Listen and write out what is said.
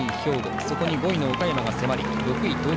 そこに５位の岡山が迫り６位、東京。